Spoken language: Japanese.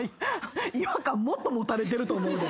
違和感もっと持たれてると思うで。